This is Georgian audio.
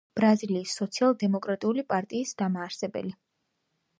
ბრაზილიის სოციალ-დემოკრატიული პარტიის დამაარსებელი.